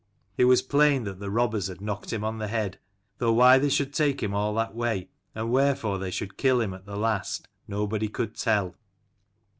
It was plain that the robbers had knocked him on the head; though why they should take him all that way, and wherefore they should kill him at the last, nobody could tell.